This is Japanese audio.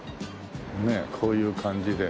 ねえこういう感じで。